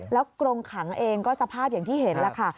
แล้วกรงขังเองก็สภาพอย่างที่เห็นแล้วค่ะ